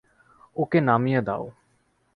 ওকে নামিয়ে দাও।